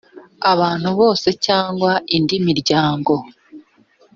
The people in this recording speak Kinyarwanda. abantu bose cyangwa indi miryango